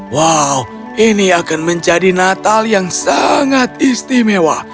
wow ini akan menjadi natal yang sangat istimewa